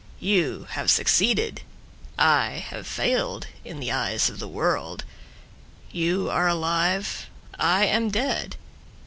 You have succeeded, I have failed In the eyes of the world. You are alive, I am dead.